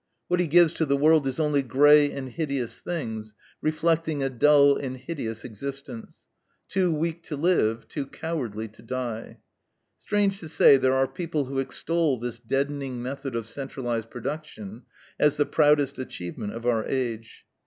What he gives to the world is only gray and hideous things, reflecting a dull and hideous existence, too weak to live, too cowardly to die. Strange to say, there are people who extol this deadening method of centralized production as the proudest achievement of our age.